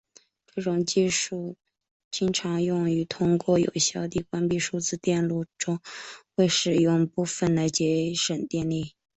这种技术经常用于通过有效地关闭数字电路中未使用的部分来节省电力。